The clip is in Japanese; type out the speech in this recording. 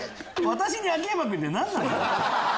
私に秋山君って何なの？